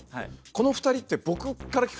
この２人って僕から聴くと。